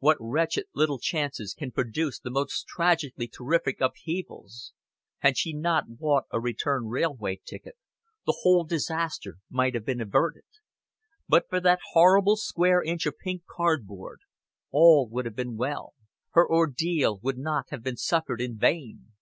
What wretched little chances can produce the most tragically terrific upheavals! Had she not bought a return railway ticket, the whole disaster might have been averted. But for that horrible square inch of pink cardboard, all would have been well, her ordeal would not have been suffered in vain.